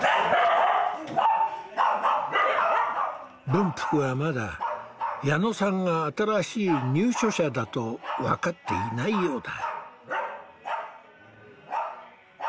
文福はまだ矢野さんが新しい入所者だと分かっていないようだ。